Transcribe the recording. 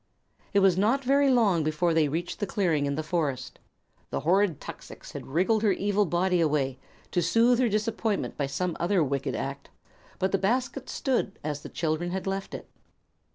It was not very long before they reached the clearing in the forest. The horrid tuxix had wriggled her evil body away, to soothe her disappointment by some other wicked act; but the basket stood as the children had left it.